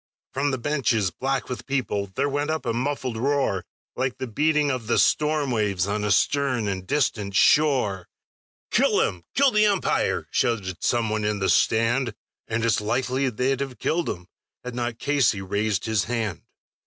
From the benches, black with people, there went up a muffled roar, Like the beating of the storm waves on a stern and distant shore; "Kill him! Kill the umpire!" shouted some one in the stand. And it's likely they'd have killed him had not Casey raised his hand.